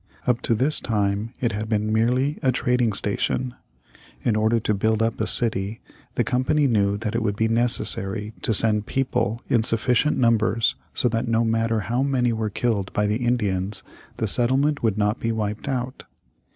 Up to this time it had been merely a trading station. In order to build up a city, the Company knew that it would be necessary to send people in sufficient numbers so that no matter how many were killed by the Indians the settlement would not be wiped out.